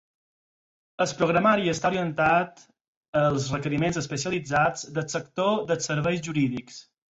El programari està orientat als requeriments especialitzats del sector dels serveis jurídics.